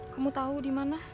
kamu tahu di mana